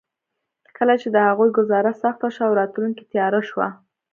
کله چې د هغوی ګوزاره سخته شوه او راتلونکې تياره شوه.